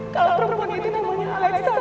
kalau perempuan itu namanya alik sa'rat